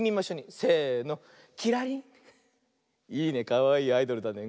かわいいアイドルだね。